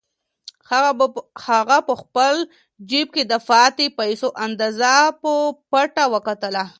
هغه په خپل جېب کې د پاتې پیسو اندازه په پټه وکتله.